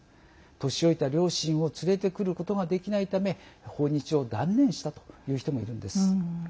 年老いた両親を連れてくることができないため訪日を断念したという人もいるんです。